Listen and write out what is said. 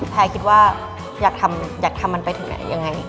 แยคิดว่าอยากทำมันไปถึงไหนยังไง